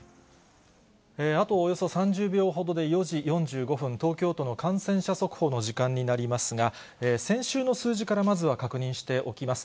あとおよそ３０秒ほどで４時４５分、東京都の感染者速報の時間になりますが、先週の数字からまずは確認しておきます。